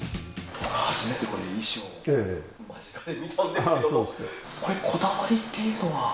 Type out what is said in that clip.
僕、初めてこの衣装を間近で見たんですけれども、これ、こだわりっていうのは？